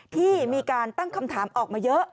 ที่มีการตั้งคำถามออกมาเยอะ